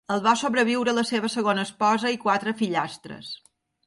El va sobreviure la seva segona esposa i quatre fillastres.